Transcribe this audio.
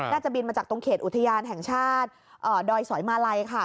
จะบินมาจากตรงเขตอุทยานแห่งชาติดอยสอยมาลัยค่ะ